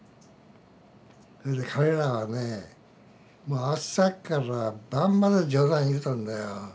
それで彼らはねもう朝から晩まで冗談言うとんだよ。